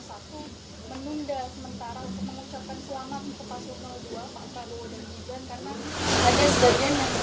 atau hasilnya dianggur atau tidak